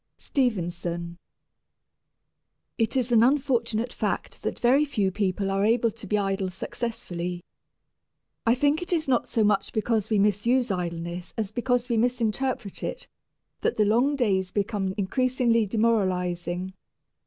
STEVENSON. It is an unfortunate fact that very few people are able to be idle successfully. I think it is not so much because we misuse idleness as because we misinterpret it that the long days become increasingly demoralizing.